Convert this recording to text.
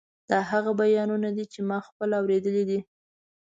دا هغه بیانونه دي چې ما پخپله اورېدلي دي.